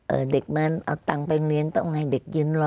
เอ่อเด็กมันเอาเงินไปเรียนต้องให้เด็กยืนรอ